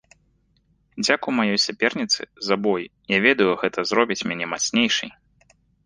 Дзякуй маёй саперніцы за бой, я ведаю, гэта зробіць мяне мацнейшай!